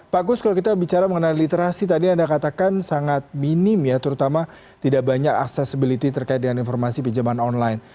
pak kus kalau kita bicara mengenai literasi tadi anda katakan sangat minim ya terutama tidak banyak accessibility terkait dengan informasi pinjaman online